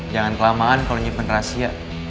jangan kelamaan kalo nyimpen rahasia